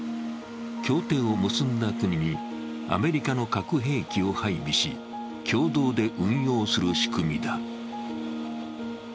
協定を結んだ国にアメリカの核兵器を配備し、共同で運用する仕組みだ。